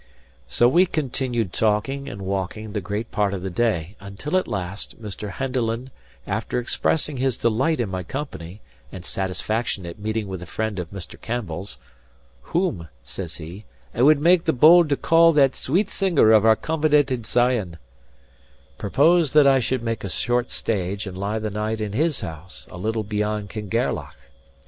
So we continued talking and walking the great part of the day; until at last, Mr. Henderland after expressing his delight in my company, and satisfaction at meeting with a friend of Mr. Campbell's ("whom," says he, "I will make bold to call that sweet singer of our covenanted Zion"), proposed that I should make a short stage, and lie the night in his house a little beyond Kingairloch.